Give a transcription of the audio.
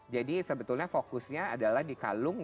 jadi sebetulnya fokusnya adalah di kalung